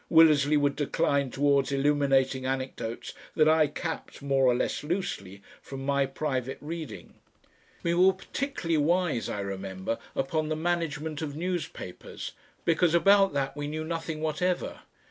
Willersley would decline towards illuminating anecdotes that I capped more or less loosely from my private reading. We were particularly wise, I remember, upon the management of newspapers, because about that we knew nothing whatever.